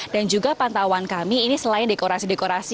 dan juga pantauan kami ini selain dekorasi dekorasi